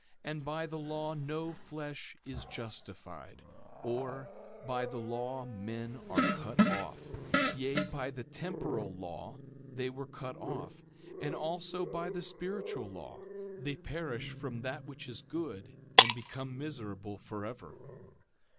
And by the law no flesh is justified; or, by the law men are cut off. Yea, by the temporal law they were cut off; and also, by the spiritual law they perish from that which is good, and become miserable forever.